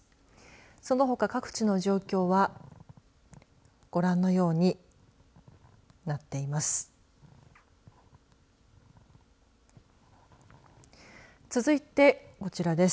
そのほか各地の状況はご覧のようになっています。